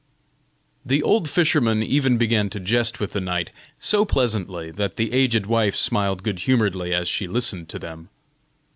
The old fisherman even began to jest with the knight, so pleasantly, that the aged wife smiled good humoredly as she listened to them.